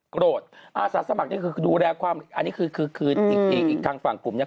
โกรธอาศัยสมัครดูแลความอันนี้คืออีกทางฝั่งกลุ่มเนี่ย